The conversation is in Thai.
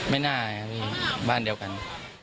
ไม่น่าไงครับพี่บ้านเดียวกัน